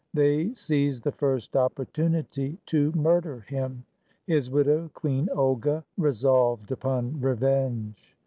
They seized the first opportunity to murder him. His widow, Queen Olga, resolved upon revenge.